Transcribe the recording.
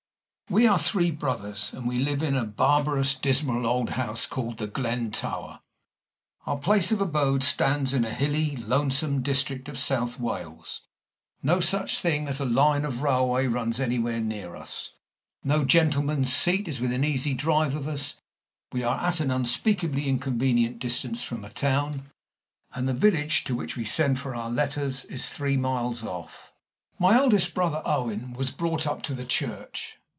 We are three brothers; and we live in a barbarous, dismal old house called The Glen Tower. Our place of abode stands in a hilly, lonesome district of South Wales. No such thing as a line of railway runs anywhere near us. No gentleman's seat is within an easy drive of us. We are at an unspeakably inconvenient distance from a town, and the village to which we send for our letters is three miles off. My eldest brother, Owen, was brought up to the Church.